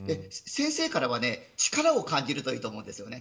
先生からは力を感じるといいと思うんです。